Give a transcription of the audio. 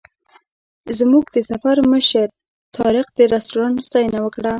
زموږ د سفر مشر طارق د رسټورانټ ستاینه وکړه.